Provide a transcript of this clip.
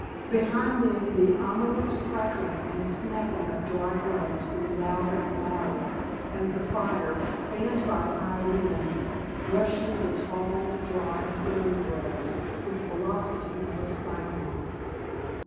Behind them the ominous crackling and snapping of dry grass grew louder and louder, as the fire, fanned by the high wind, rushed through the tall, dry prairie grass with the velocity of a cyclone.